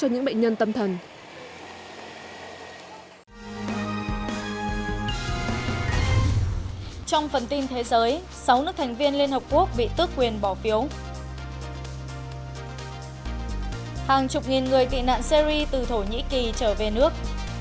hàng chục nghìn người tị nạn seri từ thổ nhĩ kỳ trở về nước